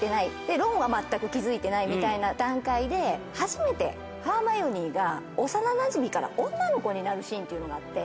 ロンは全く気付いてないみたいな段階で初めてハーマイオニーが幼なじみから女の子になるシーンっていうのがあって。